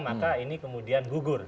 maka ini kemudian gugur